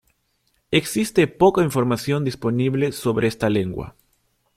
Existe poca información disponible sobre esta lengua.